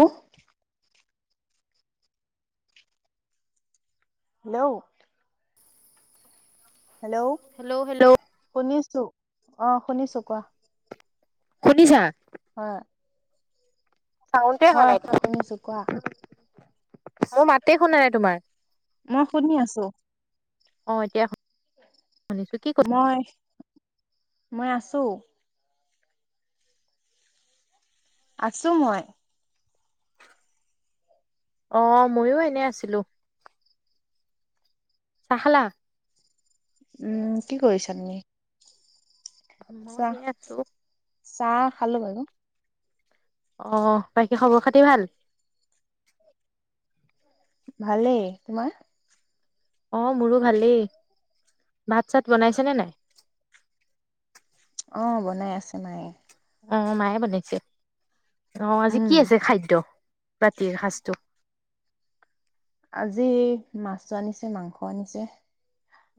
আহ hello hello hello hello শুনিছো অ শুনিছো কোৱা শুনিছা হয় চাউণ্ডে অহা হয় নাই হয় শুনিছো কোৱা মই মাতে শুনা নাই তোমাৰ মই শুনি আছো অ এতিয়া।। শুনিছো কি ক মই।। মই আছোঁ। আছোঁ মই। অ মইয়ো এনে আছিলোঁ। চাহ খালা? উম কি কৰিছা তুমি? অ মই চাহ এনে আছোঁ। চাহ খালো বাইদেউ।। অ। বাকী খবৰ খাতি ভাল? ভালেই তোমাৰ? অ মোৰো ভালেই। ভাত চাত বনাইছা নে নাই? অঁ বনাই আছে মায়ে। অ মায়ে বনাইছে? অ আজি কি উম আছে খাদ্য? ৰাতিৰ সাজটো? আজি মাছো আনিছে মাংসও আনিছে।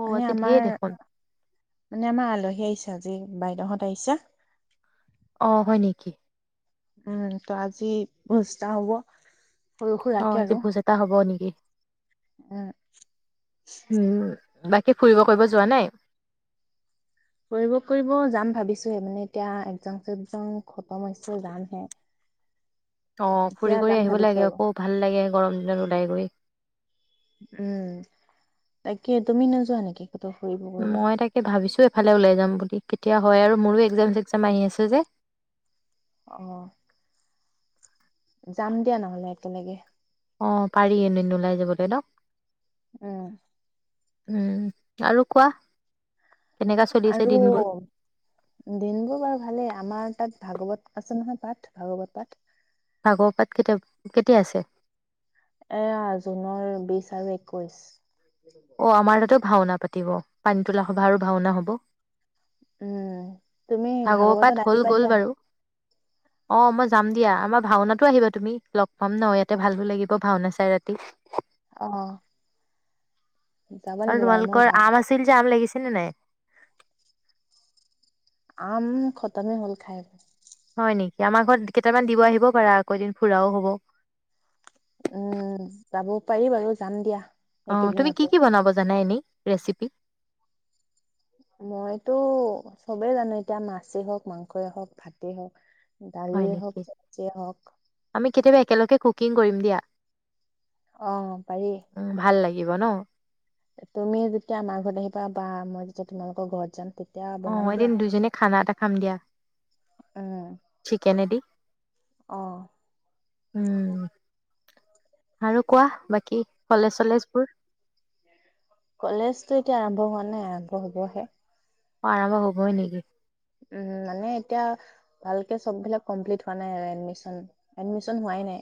অ মানে আজি ধেৰ আমাৰ দেখোন। মানে আমাৰ আলহী আহিছে আজি। উ বাইদেউহঁত আহিছে। অ হয় নেকি? উম তো আজি ভোজ এটা হ'ব। সৰু অ সুৰাকে আজি আৰু ভোজ এটা হব নেকি? উম উম বাকী ফুৰিব কৰিব যোৱা নাই? ফুৰিব কৰিব যাম ভাবিছোহে। মানে এতিয়া একজাম চেকজাম খতম হৈছে যামহে। অ এতিয়া ফুৰি কৰি যাম আহিব ভাবিছো লাগে আৰু আকৌ ভাল লাগে গৰম দিনত ওলাই গৈ। উম তাকে তুমি নোযোৱা নেকি? ক'তো ফুৰিব গলো মই তাকে ভাবিছো এফালে ওলাই যাম বুলি কেতিয়া হয় আৰু মোৰো এক্জাম চেক্জাম আহি আছে। ত যে অ। যাম দিয়া নহ'লে একেলগে। অ পাৰি এদিন ওলাই যাবলৈ ন? উ। উম। আৰু কোৱা কেনেকা চলিছে আৰু দিনবোৰ দিন বোৰ বাৰু ভালেই আমাৰ তাত। ভাগৱত আছে নহয় পাঠ। ভাগৱত পাঠ। ভাগৱত পাঠ কেতিয়া, কেতিয়া আছে? এয়া জুনৰ বিশ আৰু একৈশ। অ আমাৰ তাাতো ভাওনা পাতিব। পানী তোলা সবা আৰু ভাওনা হ'ব। উম। তুমি ভাগৱত পাত ভাগৱতত হ'ল আহিবা গ'ল দিয়া। বাৰু অ মই যাম দিয়া আমাৰ ভাওনাতো আহিবা তুমি। লগ পাম ন ইয়াতে ভালো লাগিব ভাওনা চাই। চাই ৰাতি। অ। যাব আৰু লাগিব বাৰু মই তোমালোকৰ ভা আম আছিল যে আম লাগিছিল চে নে নাই? আম খতমে হ'ল খাই ব হয় নেকি আমাৰ ঘৰত কেইটামান দিব আহিব পাৰা আকৌ এদিন ফুৰাও হব [unintelligible] উম [unintelligible] পাৰি বাৰু যাম দিয়া। অ তুমি কি এইকেইদিনতে কি বনাব জানা এনেই? ৰেচিপি? মইতো চবেই জানো এতিয়া মাছেই হওক, মাংসই হওক, ভাতে হওক। হয় দালিয়ে হওক নেকি চব্জিয়ে হওক আমি কেতিয়াবা একেলগে কুকিং কৰিম দিয়া। অ পাৰি উম ভাল লাগ দিব ন? তুমি যেতিয়া আমাৰ ঘৰত আহিবা, বা মই যেতিয়া তোমালোকৰ ঘৰত যাম তেয়া অ এদিন দুজনীয়ে খানা এটা খাম দিয়া। উম চিকেনেদি। অ। উম। আৰু কোৱা বাকী কলেজ চলেজ বোৰ? কলেজতো এতিয়া আৰম্ভ হোৱা নাই আৰম্ভ হবহে। অ আৰম্ভ হ'বই নেকি? উম মানে এতি ভালকে সববিলাক কমপ্লিট হোৱা নাই আৰু এডমিশ্যন, এডমি শ্যন হুৱায়ে নাই।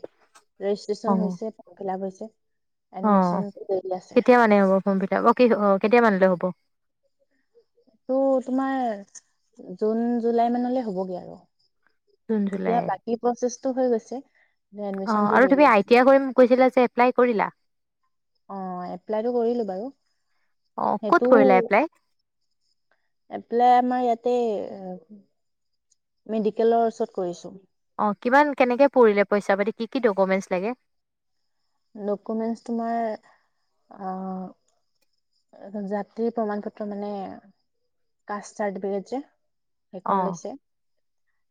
অ ৰেজিষ্ট্ৰেচন হৈছে। ফ্ৰম ফিল্লাপ হৈছে। [unintelligible] অ এডমিশন দেৰি আছে কেতিয়া মানে হ'ব? সম্পিতাৰ অ কি অ কেতিয়া মানিল হ'ব? অ। এইটো তোমাৰ জুন-জুলাই মানলৈ হ'বগে আৰু। জুন জুলাই এতিয়া বাকী প্ৰচেছ হৈ গৈছে। অ এডমিশনটো আৰু দেৰি তুমি আছে। আই টি আ কৰি কৈছিলা যে। এপ্লাই কৰিলা? অ এপ্লাইটো কৰিলো বাৰু। অ ক'ত সেইটো কৰিলা এপ্লাই এপ্লাই আমাৰ ইয়াত তে মেডিকেলৰ ওচৰত কৰিছো। অ কিমান কেনেকে পৰিলে পইচা পাতি? কি কি ডকুমেণ্টচ লাগে? ডকুমেণ্টছ তোমাৰ আহ জাতিৰ প্ৰমাণ পত্ৰ মানে কাষ্ট চাৰ্টিফিকেট যে? অ সেইখন লৈছে।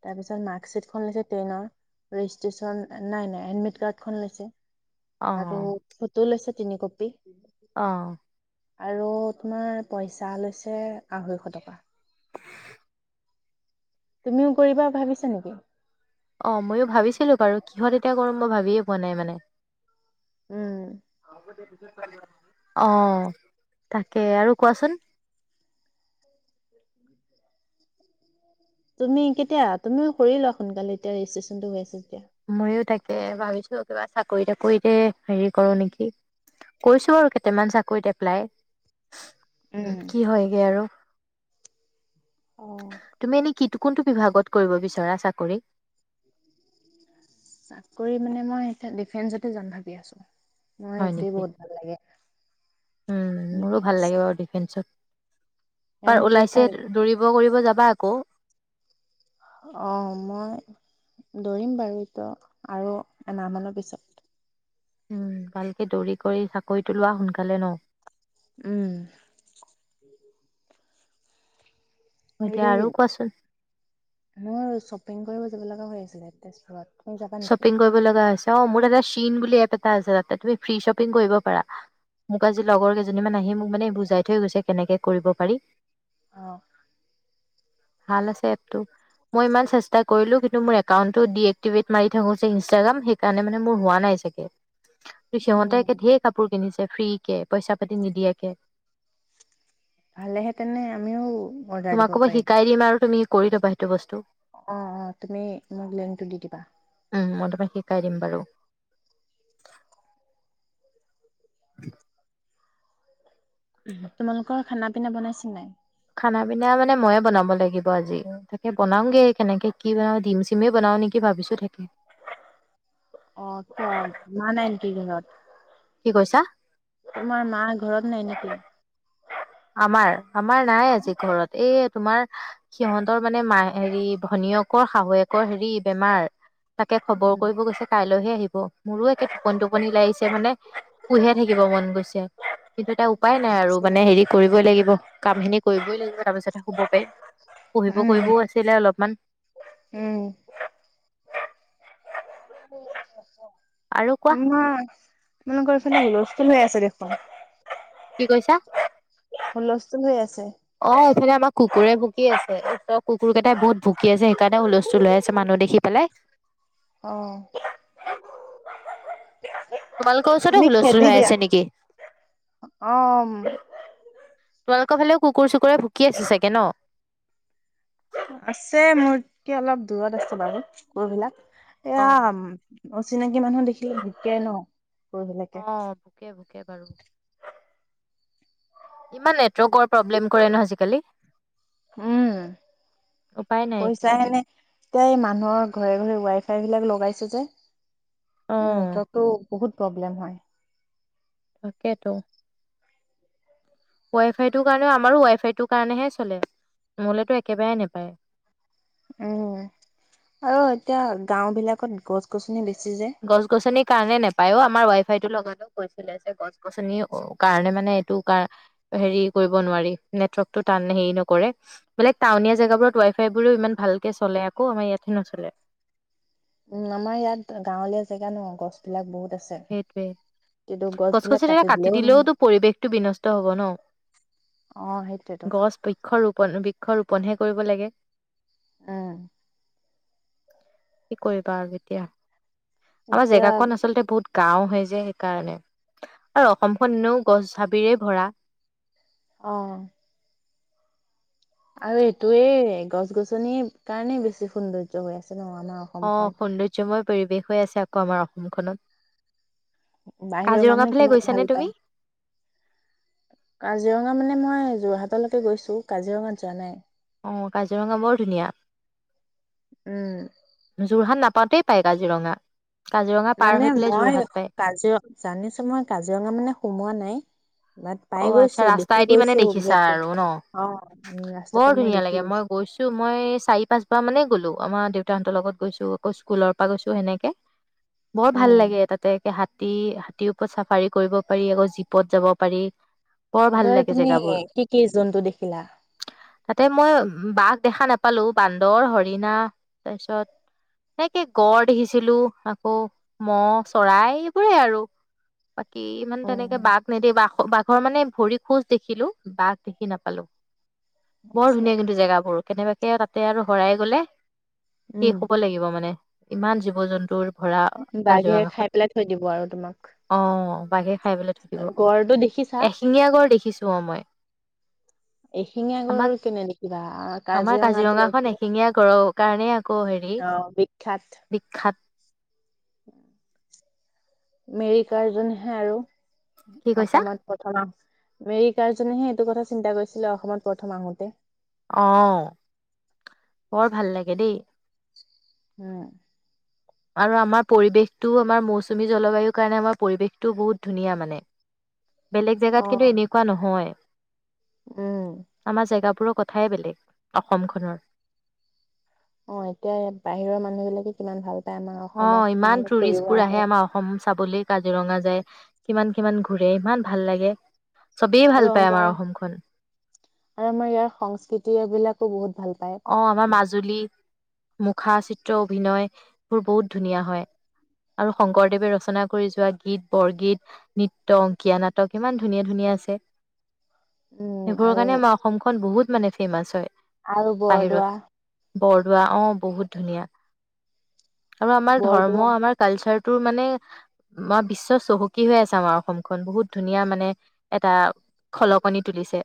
তাৰপিছত মাৰ্কশ্বীটখন লৈছে টেনৰ, ৰেজিষ্ট্ৰেচন নাই নাই এডমিট কাৰ্ডখন লৈছে। আৰু ফটো লৈছে। তিনি কপি আহ আৰু আপোনাৰৰ পইচা লৈছে আঢ়ৈশ টকা। [inaudible] তুমিও কৰিবা ভাবিছা নেকি? অ ময়ো ভাবিছিলো বাৰু কিহত এতিয়া কৰিম মই ভাবিয়ে পোৱা নাই মানে। উম। আহ তাকে! আৰু কোৱাচোন? তুমি কেতিয়া? তুমিও কৰি লোৱা সোনকালে এতিয়া ৰেজিষ্ট্ৰেচন টো হৈ আছ যেতিয়া ময়ো তাকে ভাবিছো কিবা চাকৰি তাকৰিতে হেৰি কৰো নেকি! কৰিছো বাৰু কেইটামান চাকৰি তাক প্লাই উম কি হয়গে আৰু তুমি এনেই কি কোনটো বিভাগত কৰিব বিচৰা চাকৰি? চাকৰি মানে মই এতিয়া ডিফেন্সতে যাম ভাবি আছো। মই হয় এইটোৱে নেকি? বহুত ভাল লাগে উম মোৰো ডিফেন্স। ভাল লাগে বাৰু ডিফেন্সত। কাৰণ এবাৰ এইটো এটা ওলাইছে দৌৰিব কৰিব যাবা আকৌ অ মই দৌৰিম বাৰু এইটো আৰু এমাহমানৰ পিছত উম ভালকে দৌৰি কৰি চাকৰিটো লোৱা সোনকালে ন? উম এতিয়া হেৰি আৰু কোৱাচোন মোৰ শ্বপিং কৰিব যাব লগা হৈ আছিলে তেজপুৰত তুমি যাবা নেকি? শ্বপিং কৰিব লগা আছে অ মোৰ এটা শ্বিন বুলি এপ এটা আছে তাতে তুমি ফ্ৰী শ্বপিং কৰিব পাৰা মোক আজি লগৰ কেইজনী মান আহি মোক মানে বুজাই থৈ গৈছে কেনেকে কৰিব পাৰি। অ ভাল আছে এপতটো মই ইমান চেষ্টা কৰিলো কিন্তু মোৰ একাউটো দ। টিভিত মাৰি থাকায়ে সেই কাৰনে মোৰ হোৱা নাই চাগে ত সিহঁতে উম একেই ধেই কাপোৰ কিনিছে ফ্ৰিৰ কে কে পইচা পাতি নিদিয়োকে। ভালেহেতেনে আমিও। অৰ্ডাৰ দিব তোমাকোবো পাৰিম শিকাই দিম আৰু তুমি। কৰি ল'বা সেইটো বস্তু। অ অ তুমি মোক লেনটো দি দিবা। উম মই তোমাক শিকাই দিম বাৰু। হয়। তোমালোকৰ খানা পিনা বনাইছ নাই। খানা পিনা মানে ময়ে বনাব লাগিব আজি তাকে বনাওগে কেনেকে কি বনাও ডিম চিমেই বনাও নেকি ভাবিছো থাকে। অ মোৱা নাই নেকি কি কৈছা? ঘৰত। তোমাৰ মা ঘৰত। নাই নেকি? আমাৰ। আমাৰ নাই আজি ঘৰত এই। তোমাৰ সিহঁতৰ মানে মা হেৰি ভনীয়েকৰ শাহুৱেকৰ হেৰি বেমাৰ। তাকে খবৰ উম। কৰিব গৈছে কাইলৈহে আহিব মোৰো একে টোপনি টোপনি লাই আহিছে মানে পুহে থাকিব মন গৈছে কিন্তু এটা উপায় নাই আৰু আচ্ছা মানে হেৰি। কৰিবই লাগিব কাম খিনি কৰিবই লাগিব তাৰ পিছতহে শুব পাৰিম পঢ়িব উম কৰিবও আছিলে অলপমান। উম আৰু কোৱা উ মোকৰ ফালে হুলস্থুল হৈ আছে দেখোন। কি কৈছা। হুলস্থুল হৈ আছে। অ এইফালে আমাৰ কুকুৰে ভুকি আছে কুকুৰ কেইটাই বহুত ভুকি আছে সেইকাৰণে হুলস্থুল লৈ আছে মানুহ দেখি পেলাই। আহ। তোমালোকৰ ওচৰত হুলস্থুল খেদি হৈ দিয়া। আছে নেকি! অ তোমালোকৰ ফালে কুকুৰ। ক ভুকি আছে চাগে ন! আছে মোৰ কি অলপ দূৰত আছো বাৰু গ বিলাক। অ এয়া অচিনাকি মানুহ দেখিলে ভুকে ন! কুকুৰবিলাকে। অ ভোকে ভোকে বাৰু। ৰোগৰ প্ৰব্লেম কৰে ন আজিকালি! উম উপায় নাই একে কৈছা এনে এই মানুহৰ। ঘৰে ঘৰে ৱাই ফাই বিলাক লগাইছে যে অ এ ইতাটো বহুত প্ৰব্লেম হয়। তাকেতো। ৱাই ফাইটোৰ কাৰণে আমাৰো ৱাই ফাইটোৰ কাৰণেহে চলে, ন'হলেতো একেবাৰে নেপায়। উম, আৰু এতিয়া গাওঁ বিলাকত গছ গছনি বেছি যে গছ গছনিৰ কাৰণে নেপায় আমাৰ ৱাই ফাইটো লগাওঁতেই কৈছিলে, যে গছ গছনি কাৰণে মানে এইটো কাৰ হেৰি কৰিব নোৱাৰি, নেটৰ্কটো টান হেৰি নকৰে, বোলে টাউনীয়া জেগাবোৰত ৱাই ফাই বোৰ ইমান ভালকে চলে আকৌ আমাৰ ইয়াতে নচলে। উম, আমাৰ ইয়াত গাঁৱলীয়া জেগা ন গছ বিলাক বহুত আছে। সেইটোৱেই। গছ গছনি [unintelligible] কাটি দিলেও পৰিৱেশটো বিনষ্ট হব ন। অ সেইটোয়েতো গছ বৃক্ষ ৰূপ [unintelligible] বৃক্ষ ৰোপণহে কৰিব লাগে। [unintelligible] কি কৰিবা আৰু এতিয়া। আমাৰ এতিয়া জেগাখন আচলতে বহুত গাঁও হয় যে সেইকাৰণে, আৰু অসমখন এনেও গছ হাবিৰে ভৰা। অ। আৰু এইটোয়ে গছ গছনিৰ কাৰণেই বেছি সৌন্দৰ্য হৈ আছে। ন আমাৰ অ, অসমখন সৌন্দৰ্যময় পৰিৱেশ। হৈ আছে আকৌ আমাৰ অসমখনত। বাহিৰৰ কাজিৰঙা মানুহে ফালে কিমান গৈছানে ভাল তুমি পায়। কাজিৰঙা মানে মই যোৰহাটলৈকে গৈছো, কাজিৰঙাত যোৱা নাই। অ, কাজিৰঙা বৰ ধুনীয়া। উম। যোৰহাট নাপাওঁতেই পাই কাজিৰঙা। কাজিৰঙা পাৰ হৈ মানে পেলাই মই যোৰহাট পায় কাজিৰঙা জানিছো মই কাজিৰঙা মানে সোমোৱা নাই। বাট অ, পাই আচ্ছা গৈছো দেখি ৰাস্তাইদি মানে গৈছো দেখিছা গেটটো আৰু ন, অ উম ৰাস্তাৰ বৰ পৰা মই ধুনীয়া দেখি লাগে। মই গৈছো, মই চাৰি পাঁচবাৰ মানে গলো আমাৰ দেউতা লগত গৈছো আকৌ স্কুলৰ পৰা গৈছো সেনেকে। বৰ ভাল উম লাগে তাতে একে হাত হাতী, হাতীৰ ওপৰত চাফাৰী কৰিব পাৰি আকৌ জীপত যাব পাৰি। বৰ ভাল তই লাগে তুমি জেগাবোৰ। কি কি জন্তু দেখিলা তাতে মই বাঘ দেখা নাপালো। বান্দৰ, হৰিণা তাৰপিছত, এনেকে গড় দেখিছিলো আকৌ ম'হ, চৰাই এইবোৰে আৰু। বাকী ইমান অ তেনেকে বাঘ [unintelligible] বাঘ মই মানে ভৰি খোজ দেখিলো, বাঘ দেখি নেপালো। বৰ আচ্ছা ধুনীয়া কিন্তু জেগাবোৰ। কেনেবাকে তাতে আৰু হৰাই গলে। শেষ উম হ'ব লাগিব মানে। ইমান জীৱ জন্তুৰ ভৰা বাঘে খাই কাজিৰঙাখন পেলাই থৈ দিব আৰু তোমাক অ বাঘে খাই পেলাই থৈ দিব গ়ড়টো এশিঙীয়া গড় দেখিছো অ মই এশিঙীয়া গড় আমাক আৰু কেনে দেখিবা আমাৰ কাজিৰঙাতো কাজিৰঙাখন এশিঙীয়া গড়ৰ কাৰণে আকৌ হেৰি অ বিখ্যাত বিখ্যাত মেৰি কাৰজনেহে আৰু কি কৈছা অসমত প্ৰথমা আমেৰিকা হে এইটো কথা চিন্তা কৰিছিলে অসমত প্ৰথম আহোতে অ বৰ ভাল লাগে দেই উম আৰু আমাৰ পৰিৱেশটোও আমাৰ মৌচুমী জলবায়ুৰ কাৰণে আমাৰ পৰিৱেশটোও বহুত ধুনীয়া মানে বেলেগ অ জেগাত কিন্তু এনেকোৱা নহয় উম আমাৰ জেগাবোৰক কথাই বেলেগ অসমখনৰ অ এতিয়া বাহিৰৰ মানুহ বিলাকে কিমান ভাল পায় আমাৰ অ অসমত ইমান মানে ফুৰিব টুৰিষ্টবোৰ আহে আমাৰ অসম চাবলে কাজিৰঙা যায় কিমান কিমান ঘুৰে ইমান ভাল লাগে চবেই ভাল আৰু পায় আমাৰ অসমখন আৰু আমাৰ ইয়াৰ সংস্কৃতিয়া বিলাকো বহুত ভাল পায় অ আমাৰ মাজুলী মুখা চিত্ৰ অভিনয়বোৰ বহুত ধুনীয়া হয় আৰু শংকৰদেৱে ৰচনা কৰি যোৱা গীত বৰগীত নৃত্য অংকীয়া নাটক ইমান ধুনীয়া ধুনীয়া আছে উম সেইবোৰৰ আৰু কাৰণে আমাৰ অসমখন বহুত মানে ফেমাচ হয় আৰু বাহিৰত বৰদোৱা বৰদোৱা অ বহুত ধুনীয়া আৰু আমাৰ বৰদোৱা ধৰ্ম আমাৰ কালচাৰ তোৰ মানে আমাৰ বিশ্ব চহকী হৈ আছে আমাৰ অসমখন বহুত ধুনীয়া মানে এটা খলকনি তুলিছে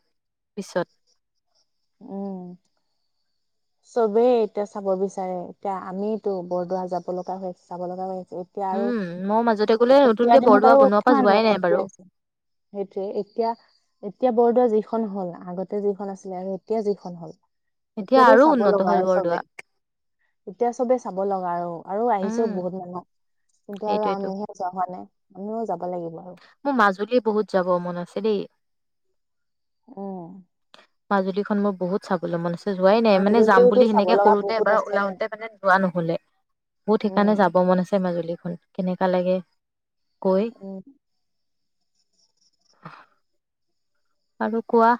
বিশ্বত উম চবেই এতিয়া চাব বিচাৰে এতিয়া আমিতো বৰদোৱা যাব লগা হয় চাব লগা হয় এতিয়া আৰু উম মই মাজতে গলে নতুনকে এতিয়াাৰ দিনত বৰদোৱা আৰু বনোৱাৰ পৰা কিমান যোৱাই নাই উন্নতি বাৰু আছে সেইটোৱে এতিয়া এতিয়া বৰদোৱা যিখন হ'ল আগতে যিখন আছিলে আৰু এতিয়া যিখন হ'ল এতিয়া এতিয়াতো আৰু চাব উন্নত লগা হ'ল আৰু বৰদোৱা চবেই এতিয়া চবেই চাব লগা আৰু আৰু আহিছেও উম বহুত মানুহ কিন্তু আৰু সেইটোয়েতো আমিহে যোৱা হোৱা নাই আমিও যাম মোৰ মাজুলী বহুত যাব মন আছে দেই উম মাজুলীখন মোৰ বহুত চাবলৈ মন আছে যোৱাই নাই মানে যাম মাজুলীওতো বুলি চাব হেনেকে লগা সৰুতে বহুত এবাৰ আছে ওলাওতে মানে যোৱা নহলে বহুত সেইকাৰণে উম, যাব মন আছে মাজুলীত কেনেককা লাগে উ হক আৰু কোৱা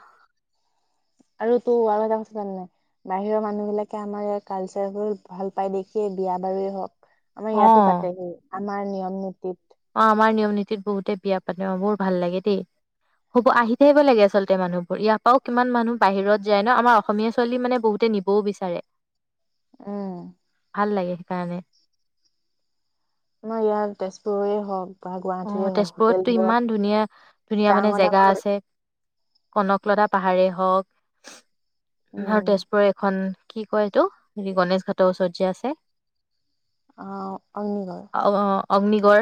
আৰু তো আৰু এটা কথা জানাই বাহিৰৰ মানুহ বিলাকে আমাৰ ইয়াৰ কালচাৰবোৰ ভাল পাই দেখিয়ে বিয়া বাৰু হওক আমাৰ অ ইয়াতে পাতেহি আমাৰ নিয়ম- নীতিত, অ', আমাৰ নিয়ম- নীতিত বহুতে বিয়া পাতে। অ', বহুত ভাল লাগে দেই। হ'ব আহি থাকিব লাগে আচলতে মানুহবোৰ। ইয়াৰ পৰাও কিমান মানুহ বাহিৰত যায় ন ', আমাৰ অসমীয়া ছোৱালী মানে বহুতে নিবও বিচাৰে। উম। ভাল লাগে। কাৰানে, আমাৰ ইয়াত তেজপুৰৰে হক, - অ', তেজপুৰতটো ইমান ধুনীয়া- ধুনীয়া মানে ডাঙৰ জেগা ডাঙৰ আছে। কনকলতা পাহাৰে হওক, - উম, ভাল তেজপুৰৰ এখন, কি ', কয়, এইটো হেৰি গণেশ ঘাটৰ ওচৰত যে, আছে? অ', অগ্নিগড়, অ- অগ্নিগড়,